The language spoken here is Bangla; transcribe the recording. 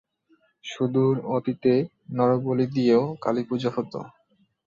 সুদূর অতীতে নরবলি দিয়েও কালীপূজা হত।